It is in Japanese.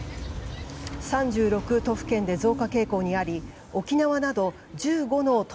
３６都府県で増加傾向にあり沖縄など１５の都